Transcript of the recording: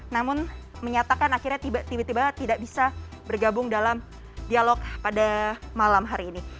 namun menyatakan akhirnya tiba tiba tidak bisa bergabung dalam dialog pada malam hari ini